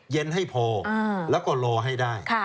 เย็นให้พอแล้วก็รอให้ได้